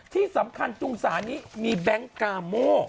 ที่สำคัญจุงศาลนี้มีแบงค์กาโม